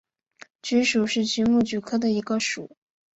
菊属是菊目菊科的一个属。